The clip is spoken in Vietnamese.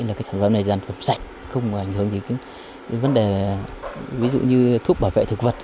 là cái sản phẩm này sản phẩm sạch không có ảnh hưởng gì đến vấn đề ví dụ như thuốc bảo vệ thực vật